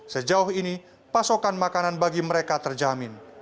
sejauh ini pasokan makanan bagi mereka terjamin